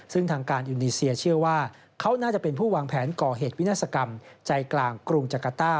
ซึ่งทางการอินีเซียเชื่อว่าเขาน่าจะเป็นผู้วางแผนก่อเหตุวินาศกรรมใจกลางกรุงจักรต้า